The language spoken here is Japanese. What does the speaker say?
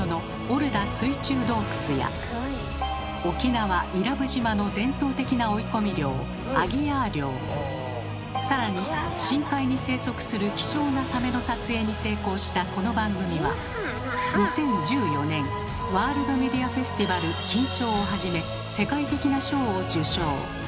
沖縄・伊良部島の伝統的な追い込み漁更に深海に生息する希少なサメの撮影に成功したこの番組は２０１４年「ワールド・メディア・フェスティバル」金賞をはじめ世界的な賞を受賞。